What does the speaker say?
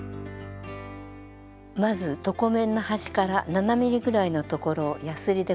まず床面の端から７ｍｍぐらいのところをやすりでこすります。